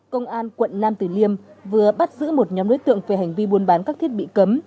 công an quận nam tử liêm vừa bắt giữ một nhóm đối tượng về hành vi buôn bán các thiết bị cấm